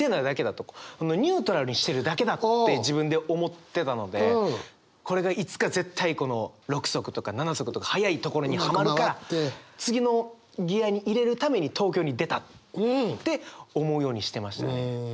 ニュートラルにしてるだけだって自分で思ってたのでこれがいつか絶対６速とか７速とか速いところにはまるから次のギアに入れるために東京に出たって思うようにしてましたね。